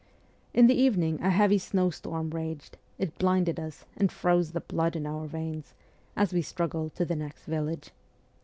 In the evening a heavy snowstorm raged ; it blinded us, and froze the blood in our veins, as we struggled to the next village.